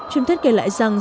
truyền thuyết kể lại rằng